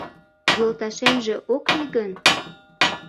Йолташемже ок лий гын?